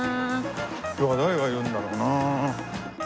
今日は誰がいるんだろうな？